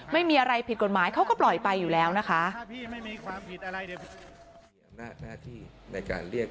ไม่มีอะไรผิดกฎหมายเขาก็ปล่อยไปอยู่แล้วนะคะ